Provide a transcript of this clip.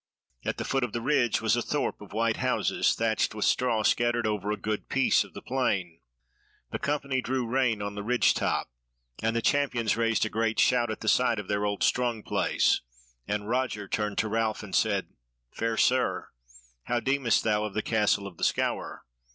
At the foot of the ridge was a thorp of white houses thatched with straw scattered over a good piece of the plain. The company drew rein on the ridge top, and the Champions raised a great shout at the sight of their old strong place; and Roger turned to Ralph and said: "Fair Sir, how deemest thou of the Castle of the Scaur?"